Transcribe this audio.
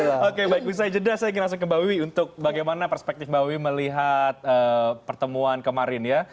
oke baik usai jeda saya ingin langsung ke mbak wiwi untuk bagaimana perspektif mbak wiwi melihat pertemuan kemarin ya